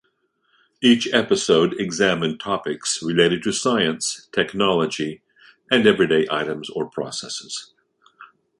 Each episode examined topics related to science, technology, and everyday items or processes.